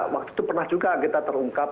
waktu itu pernah juga kita terungkap